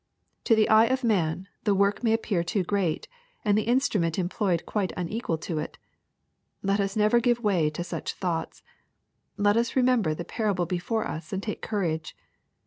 To the eye of man, the work may appear too great, and the instrument employed quite unequal to it. Let us never give way to such thoughts. Let us remember the parable before us and take courage.